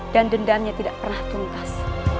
dan dendamnya tidak pernah tuntas